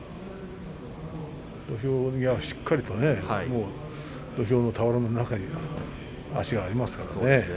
土俵際しっかりと俵の中に足がありますからね。